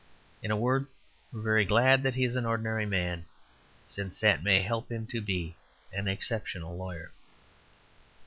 In a word, we are very glad that he is an ordinary man, since that may help him to be an exceptional lawyer.